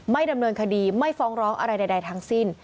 ไม่ดำเนินคดีไม่ฟ้องร้องอะไรใดทั้งสิ้น